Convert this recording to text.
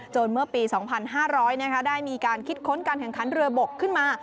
เมื่อปี๒๕๐๐ได้มีการคิดค้นการแข่งขันเรือบกขึ้นมา